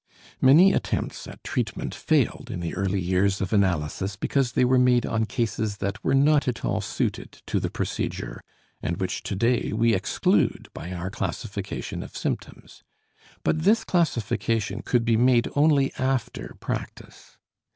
Many attempts at treatment failed in the early years of analysis because they were made on cases that were not at all suited to the procedure, and which today we exclude by our classification of symptoms. But this classification could be made only after practice.